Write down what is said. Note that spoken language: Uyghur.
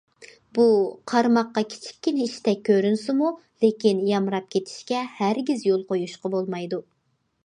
بۇ، قارىماققا كىچىككىنە ئىشتەك كۆرۈنسىمۇ، لېكىن يامراپ كېتىشكە ھەرگىز يول قويۇشقا بولمايدۇ.